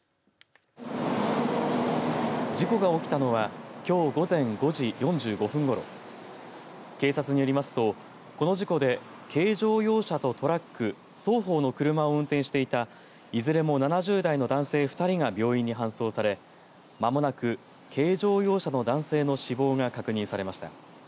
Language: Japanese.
事故が起きたのはきょう午前５時４５分ごろ警察によりますとこの事故で、軽乗用車とトラック双方の車を運転していたいずれも７０代の男性２人が病院に搬送されまもなく軽乗用車の男性の死亡が確認されました。